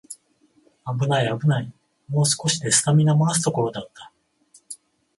あぶないあぶない、もう少しでスタミナもらすところだった